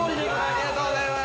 ◆ありがとうございます！